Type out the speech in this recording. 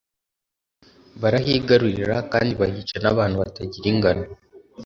barahigarurira kandi bahica n'abantu batagira ingano